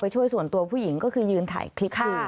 ช่วยผู้หญิงต่อส่วนตัวคริปคริปวิว